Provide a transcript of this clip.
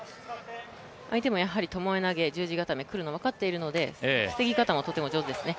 相手もともえ投げ、十字固めが来るのが分かっているので防ぎ方もとても上手ですね。